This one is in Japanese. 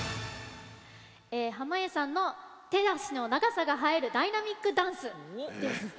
濱家さんの手足の長さが映えるダイナミックダンスです。